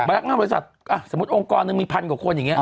พนักงานบริษัทอาศัยโรงกรมีพันกว่าคนอย่างนี้